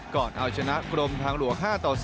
ก่อนเอาชนะกรมทางหลวก๕๓